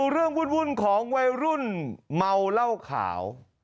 เรื่องวุ่นของวัยรุ่นเมาเหล้าขาว